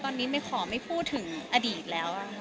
ตอนนี้ไม่ขอไม่พูดถึงอดีตแล้ว